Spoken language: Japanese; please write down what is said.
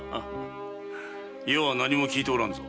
余は何も聞いておらんぞ。